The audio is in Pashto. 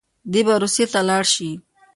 دی به روسيې ته لاړ شي.